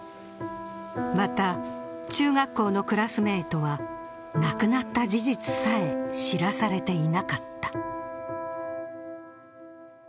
また、中学校のクラスメートは亡くなった事実さえ知らされていなかった。